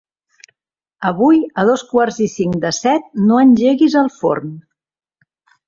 Avui a dos quarts i cinc de set no engeguis el forn.